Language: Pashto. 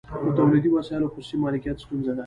په تولیدي وسایلو خصوصي مالکیت ستونزه ده